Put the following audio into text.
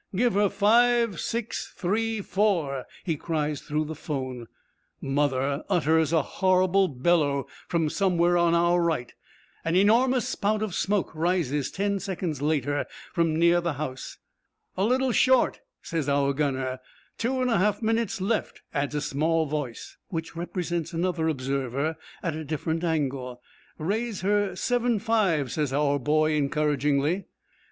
'Give her five six three four,' he cries through the 'phone. 'Mother' utters a horrible bellow from somewhere on our right. An enormous spout of smoke rises ten seconds later from near the house. 'A little short,' says our gunner. 'Two and a half minutes left,' adds a little small voice, which represents another observer at a different angle. 'Raise her seven five,' says our boy encouragingly.